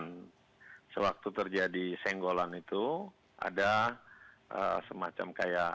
dan sewaktu terjadi senggolan itu ada semacam